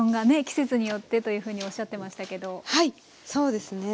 季節によってというふうにおっしゃってましたけどはいそうですね。